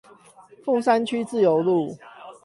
鳳山區自由路